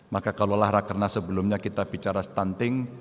maka kalau lah rakerna sebelumnya kita bicara stunting